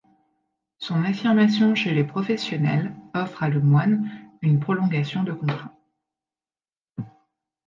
Son affirmation chez les professionnels offre à Lemoine une prolongation de contrat.